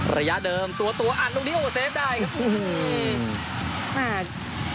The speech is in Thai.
ระยะเดิมตัวตัวอัดตรงนี้โอ้เซฟได้ครับ